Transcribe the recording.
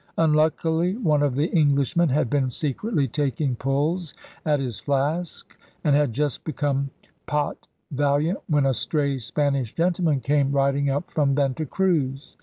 Unluckily one of the Englishmen had been secretly taking pulls at his flask and had just become pot valiant when a stray Spanish gentleman came riding up from Venta Cruz.